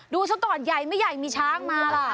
ดูสกร่อนใหญ่มั้ยใหญ่มีช้างมาล่ะ